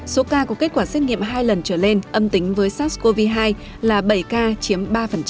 số ca có kết quả xét nghiệm hai lần trở lên âm tính với sars cov hai là bảy ca chiếm ba